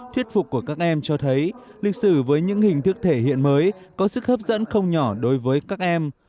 thuyết phục của các em cho thấy lịch sử với những hình thức thể hiện mới có sức hấp dẫn không nhỏ đối với các em